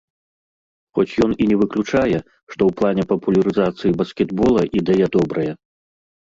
Хоць ён і не выключае, што ў плане папулярызацыі баскетбола ідэя добрая.